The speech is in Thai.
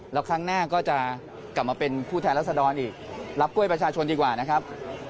แล้วครั้งหน้าก็จะกลับมาเป็นผู้แทนรัศดรอีกรับกล้วยประชาชนดีกว่านะครับ